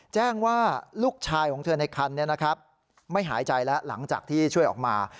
แจ้งว่าลูกชายของเธอในคันไม่หายใจแล้วหลังจากที่ช่วยออกมา